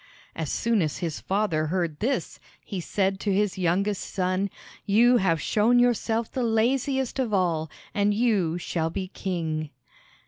As soon as the father heard this, he said to his youngest son: "You have shown yourself the laziest of all, and you shall be king."